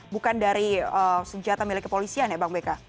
bukan dari senjata milik kepolisian ya bang beka